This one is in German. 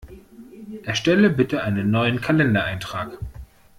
Erstelle bitte einen neuen Kalendereintrag!